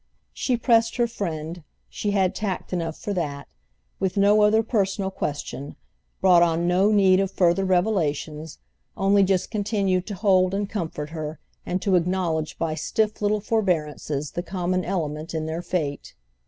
She pressed her friend—she had tact enough for that—with no other personal question, brought on no need of further revelations, only just continued to hold and comfort her and to acknowledge by stiff little forbearances the common element in their fate.